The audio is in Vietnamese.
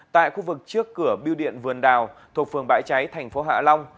tại khu vực trước cửa biêu điện vườn đào thuộc phường bãi cháy tp hạ long